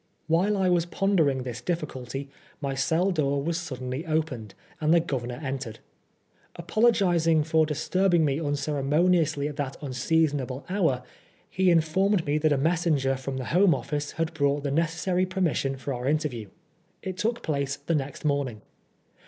While I was pondering this diffi culty, my cell door was suddenly opened, and the Governor entered. Apologising for disturbing me UU' ceremoniously at that unseasonable hour, he informed me that a messenger from the Home Office had brought the necessary permission for our interview. It took place the next morning.